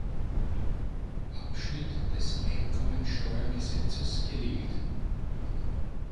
Abschnitt des Einkommensteuergesetzes geregelt.